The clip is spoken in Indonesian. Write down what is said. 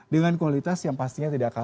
dengan kualitas yang pastinya tidak kalah